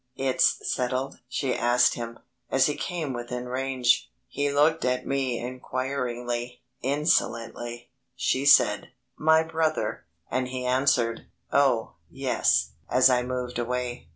"It's settled?" she asked him, as he came within range. He looked at me inquiringly insolently. She said, "My brother," and he answered: "Oh, yes," as I moved away.